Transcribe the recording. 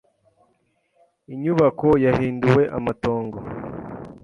Inyubako yahinduwe amatongo.